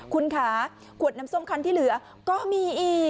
คุณคะขวดน้ำส้มคันที่เหลือก็มีอีก